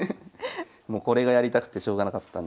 もうこれがやりたくてしょうがなかったんで。